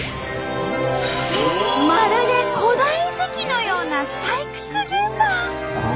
まるで古代遺跡のような採掘現場！